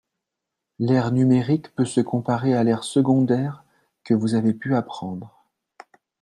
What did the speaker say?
L'aire numérique peut se comparer à l'aire secondaire que vous avez pu apprendre